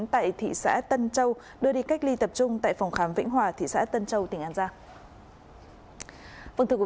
tại thị xã tân châu đưa đi cách ly tập trung tại phòng khám vĩnh hòa thị xã tân châu tỉnh an giang